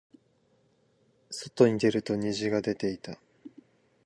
外に出ると虹が出ていた。